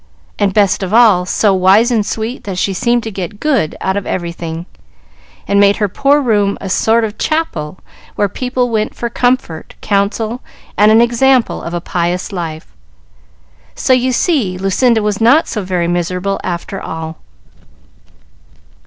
And, best of all, so wise and sweet that she seemed to get good out of everything, and make her poor room a sort of chapel where people went for comfort, counsel, and an example of a pious life. So, you see, Lucinda was not so very miserable after all."